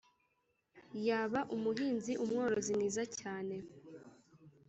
Yaba umuhinzi, umworozi mwiza cyane